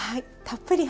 たっぷり。